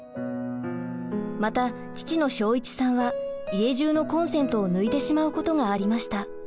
また父の昭市さんは家じゅうのコンセントを抜いてしまうことがありました。